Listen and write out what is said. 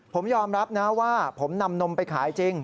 ผมยอมรับนะว่าผมนำนมไปขายจริง